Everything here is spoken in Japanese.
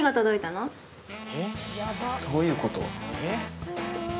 どういうこと？